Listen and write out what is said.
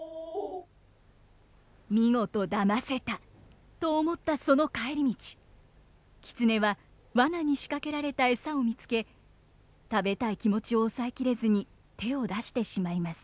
「見事だませた！」と思ったその帰り道狐はワナに仕掛けられたエサを見つけ食べたい気持ちを抑え切れずに手を出してしまいます。